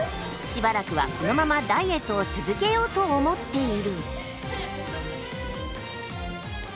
しばらくはこのままダイエットを続けようと思っている。